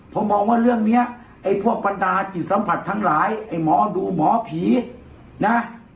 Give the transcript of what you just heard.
ผมมองว่าเรื่องนี้ไอ้พวกบรรดาจิตสัมผัสทั้งหลายไอ้หมอดูหมอผีนะ